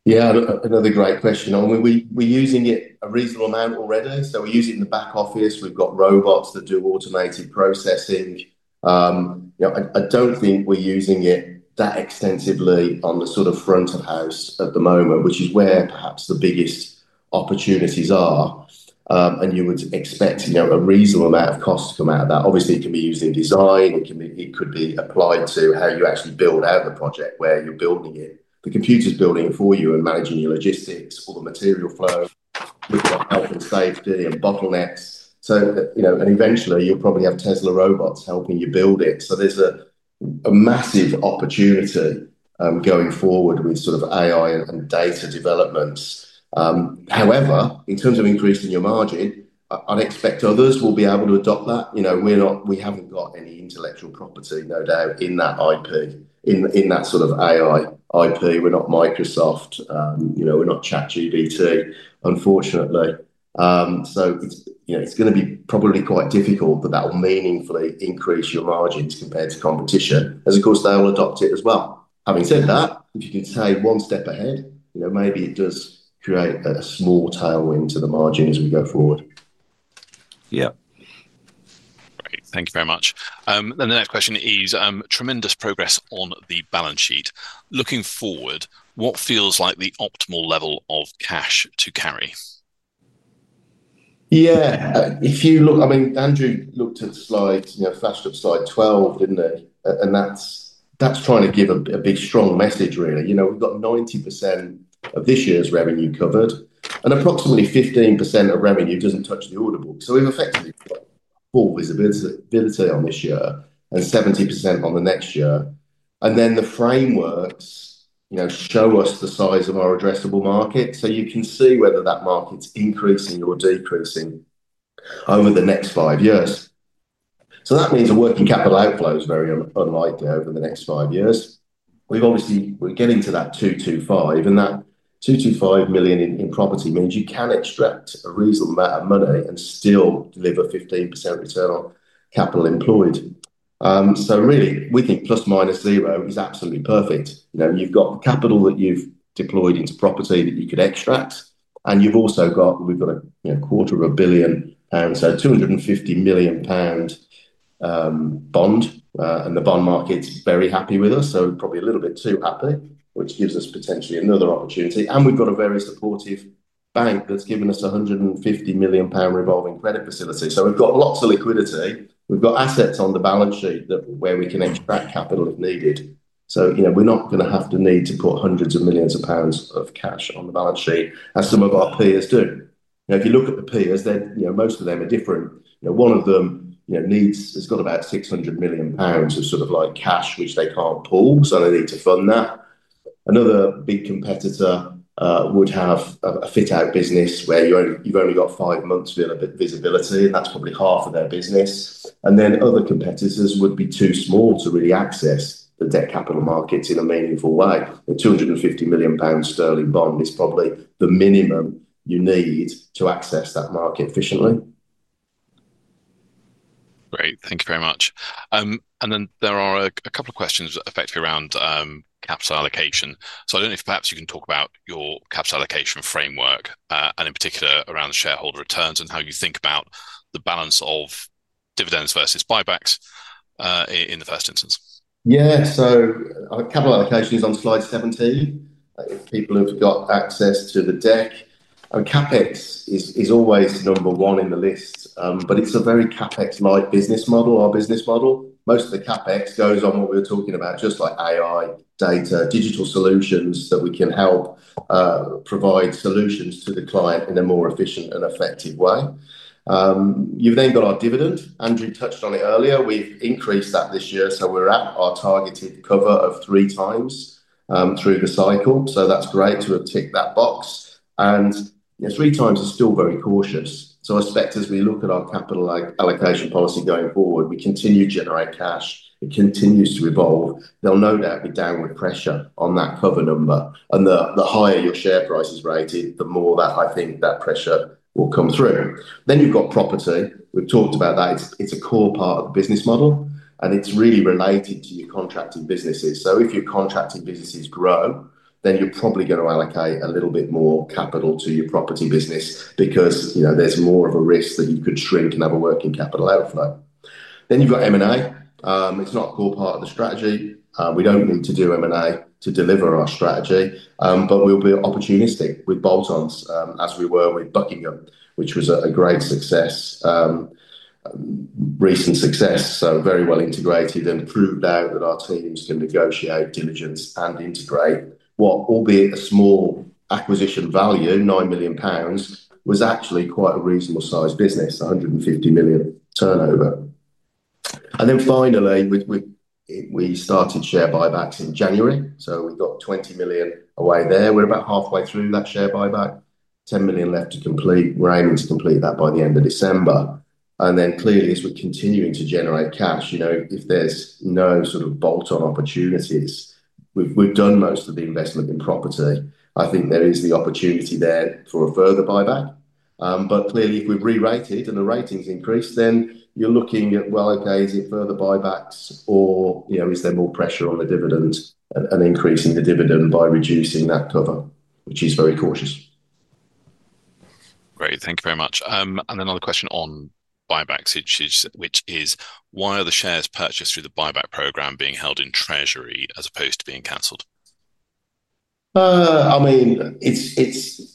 Yeah, another great question. We're using it a reasonable amount already. We're using the back office. We've got robots that do automated processing. I don't think we're using it that extensively on the sort of front of house at the moment, which is where perhaps the biggest opportunities are. You would expect a reasonable amount of costs to come out of that. Obviously, it can be used in design. It could be applied to how you actually build out the project, where you're building it. The computer's building it for you and managing your logistics, all the material flow, looking at health and safety and bottlenecks. Eventually, you'll probably have Tesla robots helping you build it. There's a massive opportunity going forward with sort of AI and data developments. However, in terms of increasing your margin, I'd expect others will be able to adopt that. We haven't got any intellectual property, no doubt, in that IP, in that sort of AI IP. We're not Microsoft. We're not ChatGPT, unfortunately. It's going to be probably quite difficult, but that'll meaningfully increase your margins compared to competition, as of course they'll adopt it as well. Having said that, if you could stay one step ahead, maybe it does create a small tailwind to the margin as we go forward. Great, thank you very much. The next question is, tremendous progress on the balance sheet. Looking forward, what feels like the optimal level of cash to carry? Yeah, if you look, I mean, Andrew looked at slides, you know, flashed up slide 12, didn't they? That's trying to give a big strong message, really. You know, we've got 90% of this year's revenue covered and approximately 15% of revenue doesn't touch the order book. We've effectively got full visibility on this year and 70% on the next year. The frameworks show us the size of our addressable market. You can see whether that market's increasing or decreasing over the next five years. That means a working capital outflow is very unlikely over the next five years. We've obviously, we're getting to that 225 million and that 225 million in property means you can extract a reasonable amount of money and still deliver 15% return on capital employed. Really, we think plus minus zero is absolutely perfect. You've got capital that you've deployed into property that you could extract and you've also got, we've got a quarter of a billion pounds, so 250 million pound bond and the bond market is very happy with us, so probably a little bit too happy, which gives us potentially another opportunity. We've got a very supportive bank that's given us a 150 million pound revolving credit facility. We've got lots of liquidity. We've got assets on the balance sheet where we can extract capital if needed. We're not going to have to need to put hundreds of millions of pounds of cash on the balance sheet as some of our peers do. If you look at the peers, most of them are different. One of them needs, it's got about 600 million pounds of sort of like cash, which they can't pull, so they need to fund that. Another big competitor would have a fit-out business where you've only got five months visibility, and that's probably half of their business. Other competitors would be too small to really access the debt capital markets in a meaningful way. A 250 million sterling bond is probably the minimum you need to access that market efficiently. Great, thank you very much. There are a couple of questions effectively around capital allocation. I don't know if perhaps you can talk about your capital allocation framework, and in particular around shareholder returns and how you think about the balance of dividends versus buybacks in the first instance. Yeah, so our capital allocation is on slide 17. If people have got access to the deck, our CapEx is always number one in the list, but it's a very capital-light business model. Our business model, most of the CapEx goes on what we were talking about, just like AI, data, digital solutions that we can help provide solutions to the client in a more efficient and effective way. You've then got our dividend. Andrew touched on it earlier. We've increased that this year, so we're at our targeted cover of three times through the cycle. That's great to have ticked that box. Three times is still very cautious. I expect as we look at our capital allocation policy going forward, we continue to generate cash. It continues to evolve. There will no doubt be downward pressure on that cover number. The higher your share price is rated, the more that I think that pressure will come through. You've got property. We've talked about that. It's a core part of the business model, and it's really related to your contracted businesses. If your contracted businesses grow, then you're probably going to allocate a little bit more capital to your property business because there's more of a risk that you could shrink and have a working capital outflow. You've got M&A. It's not a core part of the strategy. We don't need to do M&A to deliver our strategy, but we'll be opportunistic. We're bolt-ons, as we were with Buckingham, which was a great success, recent success. Very well integrated and proved out that our teams can negotiate diligence and integrate what, albeit a small acquisition value, 9 million pounds, was actually quite a reasonable sized business, 150 million turnover. Finally, we started share buybacks in January. We've got 20 million away there. We're about halfway through that share buyback. 10 million left to complete. We're aiming to complete that by the end of December. Clearly, as we're continuing to generate cash, if there's no sort of bolt-on opportunities, we've done most of the investment in property. I think there is the opportunity there for a further buyback. Clearly, if we've re-rated and the ratings increase, then you're looking at, well, okay, is it further buybacks or is there more pressure on the dividend and increasing the dividend by reducing that cover, which is very cautious. Great, thank you very much. Another question on buybacks, which is, why are the shares purchased through the buyback program being held in treasury as opposed to being cancelled? It's,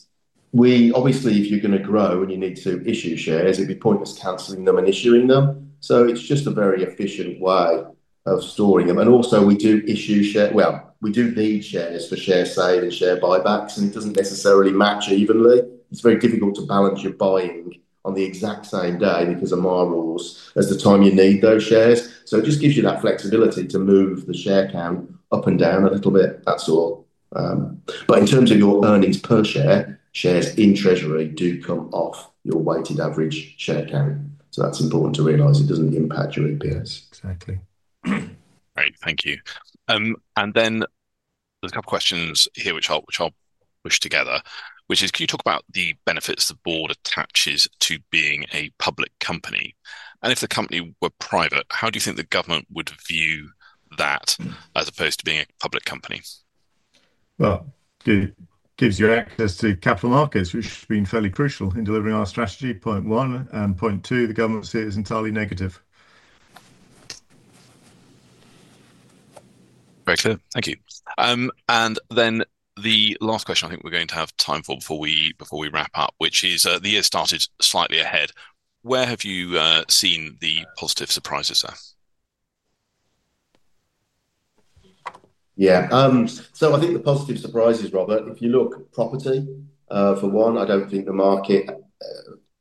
we obviously, if you're going to grow and you need to issue shares, it'd be pointless cancelling them and issuing them. It's just a very efficient way of storing them. Also, we do issue shares, we do need shares for share sale and share buybacks, and it doesn't necessarily match evenly. It's very difficult to balance your buying on the exact same day because of moments as the time you need those shares. It just gives you that flexibility to move the share count up and down a little bit, that's all. In terms of your earnings per share, shares in treasury do come off your weighted average share carry. That's important to realize. It doesn't impact your NPS. Exactly. Great, thank you. There are a couple of questions here which I'll push together, which is, can you talk about the benefits the board attaches to being a public company? If the company were private, how do you think the government would view that as opposed to being a public company? It gives you access to capital markets, which has been fairly crucial in delivering our strategy, point one. Point two, the government sees it as entirely negative. Great, thank you. The last question I think we're going to have time for before we wrap up is the year started slightly ahead. Where have you seen the positive surprises, sir? Yeah, I think the positive surprises, Robert, if you look at property, for one, I don't think the market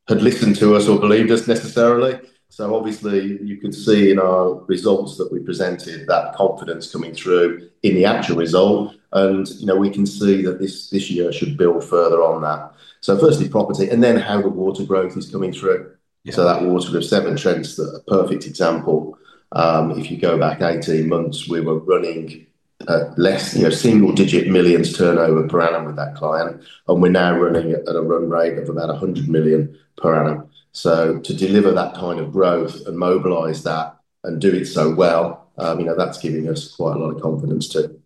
had listened to us or believed us necessarily. You could see in our results that we presented that confidence coming through in the actual result. You know, we can see that this year should build further on that. Firstly, property, and then how the water growth is coming through. That water of Severn Trent's a perfect example. If you go back 18 months, we were running at less, you know, single-digit millions turnover per annum with that client. We're now running at a run rate of about 100 million per annum. To deliver that kind of growth and mobilize that and do it so well, you know, that's giving us quite a lot of confidence too.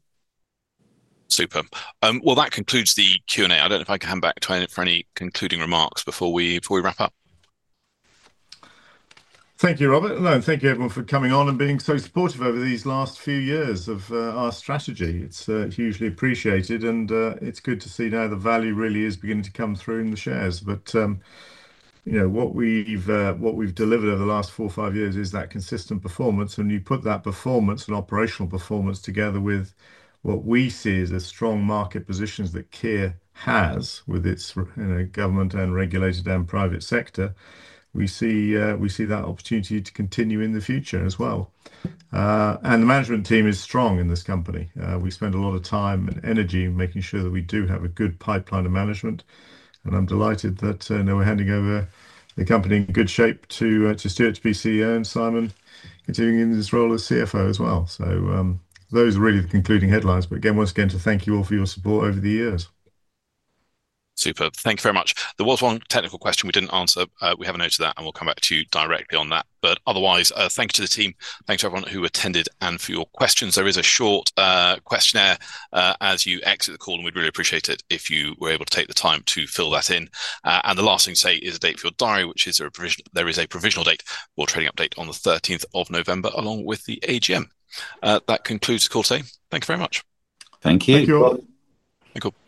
Super. That concludes the Q&A. I don't know if I can come back to any for any concluding remarks before we wrap up. Thank you, Robert. No, and thank you everyone for coming on and being so supportive over these last few years of our strategy. It's hugely appreciated, and it's good to see now the value really is beginning to come through in the shares. What we've delivered over the last four or five years is that consistent performance. When you put that performance and operational performance together with what we see as the strong market positions that Kier Group plc has with its government and regulated and private sector, we see that opportunity to continue in the future as well. The management team is strong in this company. We spend a lot of time and energy making sure that we do have a good pipeline of management. I'm delighted that we're handing over the company in good shape to Stuart to be CEO, and Simon doing in his role as CFO as well. Those are really the concluding headlines. Once again, thank you all for your support over the years. Super, thank you very much. There was one technical question we didn't answer. We have a note to that, and we'll come back to you directly on that. Otherwise, thank you to the team. Thank you to everyone who attended, and for your questions. There is a short questionnaire as you exit the call, and we'd really appreciate it if you were able to take the time to fill that in. The last thing to say is a date for your diary, which is there is a provisional date for a trading update on the 13th of November, along with the AGM. That concludes the call today. Thank you very much. Thank you. Thank you all. Thank you all.